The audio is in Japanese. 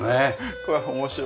これは面白いなと。